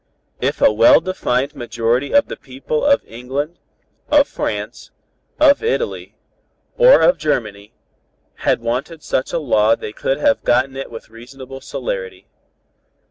"If a well defined majority of the people of England, of France, of Italy or of Germany had wanted such a law they could have gotten it with reasonable celerity.